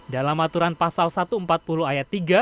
dalam aturan pasal satu ratus empat puluh ayat tiga